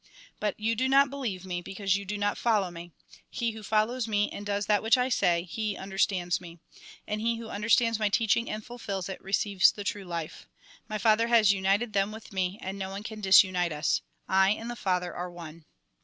" But you do not believe me, because you do not follow me. He who follows me, and does that which I say, he understands me. And he who understands my teaching and fulfils it, receives the true life. My Father has united them with me, and no one can disunite us. I and the Father are one."